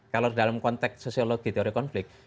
kalau dalam konteks sosiologi teori konflik